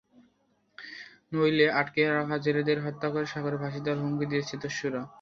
নইলে আটকে রাখা জেলেদের হত্যা করে সাগরে ভাসিয়ে দেওয়ার হুমকি দিচ্ছে দস্যুরা।